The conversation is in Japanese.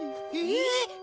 えっ！？